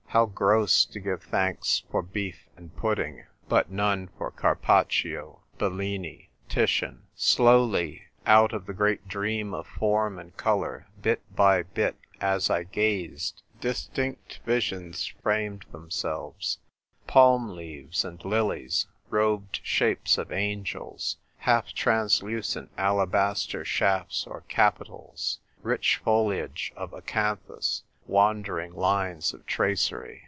How gross to give thanks for beef and pudding, but none for Carpaccio, Bellini, Titian ! 2o6 THE TYPE WRITER GIRL. Slowly, out of the great dream of form and colour, bit by bit, as 1 gazed, distinct visions framed themselves — palm leaves and lilies, robed shapes of angels, half translucent ala baster shafts or capitals, rich foliage of acanthus, wandering lines of tracery.